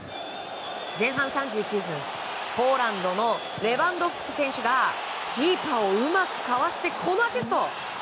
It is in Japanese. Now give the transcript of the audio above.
前半３９分、ポーランドのレバンドフスキ選手がキーパーをうまくかわしてこのアシスト。